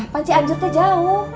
panci anjur tuh jauh